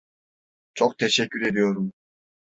Çok teşekkür ediyorum.